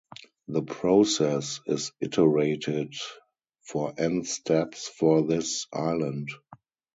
The process is iterated for n steps for this island.